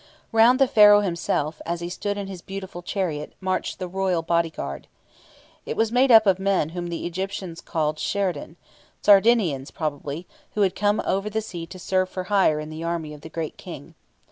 Round the Pharaoh himself, as he stood in his beautiful chariot, marched the royal bodyguard. It was made up of men whom the Egyptians called "Sherden" Sardinians, probably, who had come over the sea to serve for hire in the army of the great King.